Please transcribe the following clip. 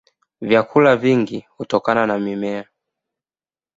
Vyakula vingi hutokana na mimea.